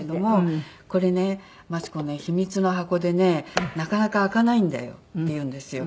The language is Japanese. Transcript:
「これね真知子ね秘密の箱でねなかなか開かないんだよ」って言うんですよ。